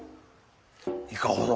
いかほど？